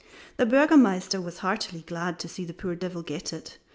The Burgomaster was heartily glad to see the poor devil get it.